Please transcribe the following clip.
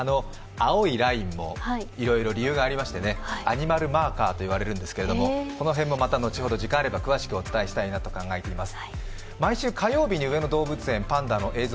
青いラインもいろいろ理由がありましてね、アニマルマーカーと言われているんですけれどもこの辺もまた後ほど時間があれば詳しくお伝えしたいなと思っています。